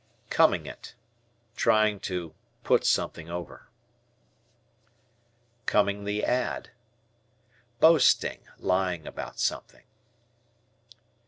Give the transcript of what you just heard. "Coming it." Trying to "put something over." "Coming the add." Boasting; lying about something.